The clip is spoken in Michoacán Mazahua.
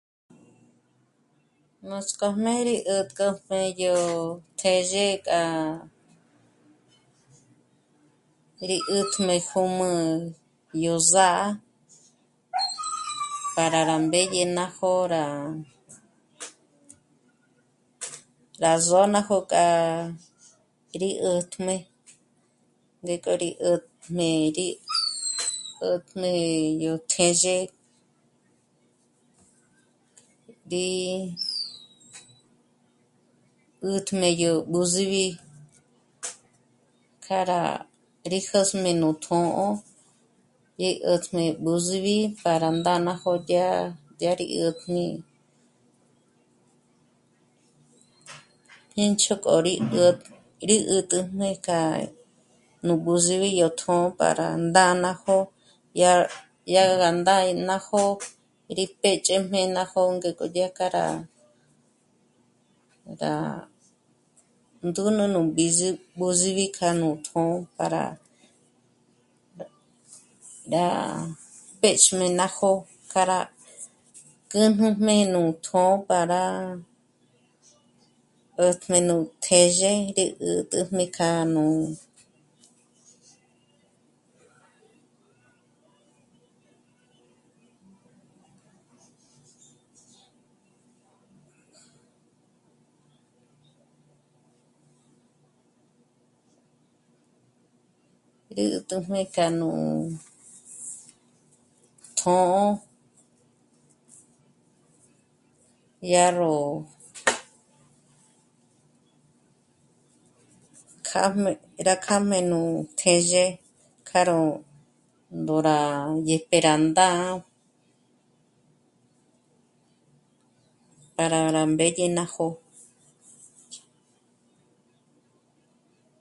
Núts'k'ojme rí 'ä́tkojmé yo tézhe k'a rí 'ä́tjme jū́mū yo zâ'a para rá mbědye ná jo'o rá, rá zó ná jo'o k'a rí 'ä́tjme, ngék'o rí 'ä́tjme rí 'ä́tjme yò tézhe, tée 'ä́tjme yo b'ü síbi k'ará rí jö̀sjme nú tjō̌'ō yé 'ä́tsjme b'ü síbi para nda ná jo'o dyá, dyá rí 'ä́tjme, 'èncho k'o rí 'ä́t rí 'ä́tjme k'anu b'ü síbi yo tjō̌'ō para nda ná jo'o. Dya, dyá gà nda ná jo'o rí pë́ch'ejme ná jo'o ngek'o dya k'a rá ndâ ndúnü nu bízü b'òs'ibi k'anu tjṓ para rá péxjme ná jo'o k'a rá kǚjnüjme nú tjō̌'ō para 'ä́tjme nu tézhe rí 'ä́t'äjme k'anu. Dyä́t'äjme k'anu tjō̌'ō dya rró kjájme, rá kjájme nú tézhe k'a ró ndo rá yépe rá ndǎ'a para rá mbědye ná jo'o